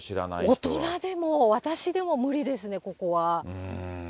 大人でも、私でも無理ですね、ここは。